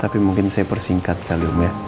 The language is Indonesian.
tapi mungkin saya persingkat kali om ya